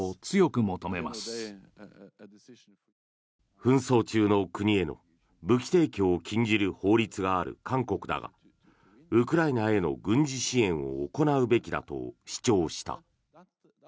紛争中の国への武器提供を禁じる法律がある韓国だがウクライナへの軍事支援を行うべきだと主張した。